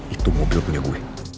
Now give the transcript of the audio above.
itu mobil punya gue